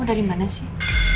kamu dari mana sih